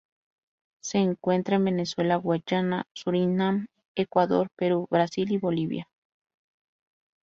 Se encuentra en Venezuela, Guyana, Surinam, Ecuador, Perú, Brasil y Bolivia.